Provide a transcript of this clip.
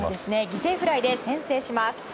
犠牲フライで先制します。